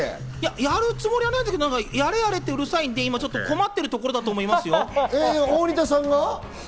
やるつもりはないんだけど、やれやれって言われて困ってるところだと思いますよ。